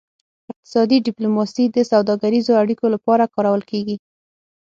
اقتصادي ډیپلوماسي د سوداګریزو اړیکو لپاره کارول کیږي